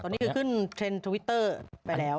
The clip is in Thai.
ตอนนี้คือขึ้นเทรนด์ทวิตเตอร์ไปแล้ว